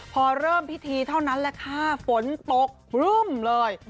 พอเริ่มพิธีเท่านั้นแหละค่ะฝนตกพรึ่มเลย